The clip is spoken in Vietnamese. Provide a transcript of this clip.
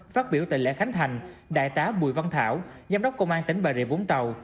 phát biểu tại lễ khánh thành đại tá bùi văn thảo giám đốc công an tỉnh bà rịa vũng tàu